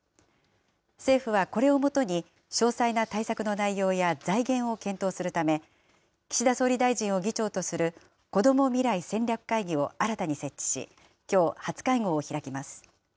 政府はこれをもとに詳細な対策の内容や財源を検討するため、岸田総理大臣を議長とするこども未来戦略会議を新たに設置し、きょう、初会合を開きます。